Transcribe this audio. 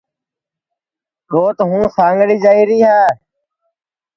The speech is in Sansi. دؔوت ہوں سانگھڑی جائیری ہے